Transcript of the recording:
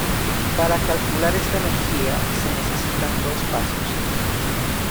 Para calcular esta energía se necesitan dos pasos.